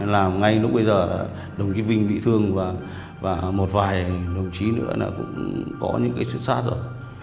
làm ngay lúc bây giờ đồng chí vinh bị thương và một vài đồng chí nữa cũng có những sự sát rồi